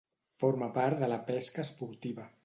Forma part de la pesca esportiva.